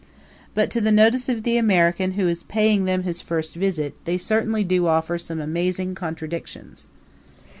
But, to the notice of the American who is paying them his first visit, they certainly do offer some amazing contradictions.